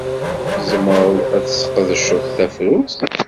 Tzemreḍ ad t-tesqedceḍ d tafrut.